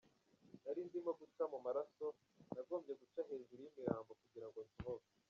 Nari ndimo guca mu maraso…nagombye guca hejuru y’imirambo kugira ngo nsohoke.